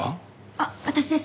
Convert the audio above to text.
あっ私です。